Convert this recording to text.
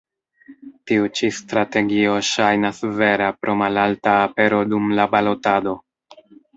Tiu ĉi strategio ŝajnas vera pro malalta apero dum la balotado.